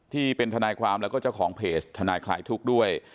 ที่เป็นทนายความแล้วก็เจ้าของเพจทนายคลายทุกข์ด้วย